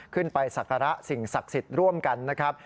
ไปศักระสิ่งศักดิ์สิทธิ์ร่วมกันนะครับ